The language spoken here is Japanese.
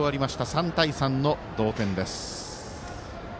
３対３の同点です。